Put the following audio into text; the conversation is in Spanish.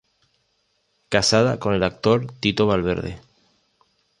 Casada con el actor Tito Valverde.